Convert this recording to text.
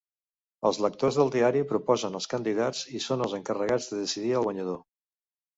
Els lectors del diari proposen els candidats i són els encarregats de decidir el guanyador.